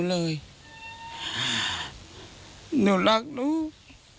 รับสิ่งที่จะรักลูก